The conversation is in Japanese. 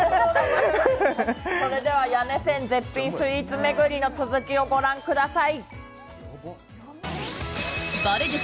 それでは谷根千絶品スイーツ巡りの続きを御覧ください。